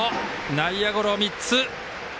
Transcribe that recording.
内野ゴロ３つ。